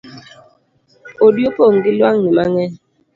Odi opong gi luangni mangeny